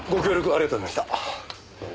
ありがとうございます。